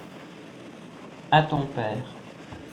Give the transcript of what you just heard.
à ton père.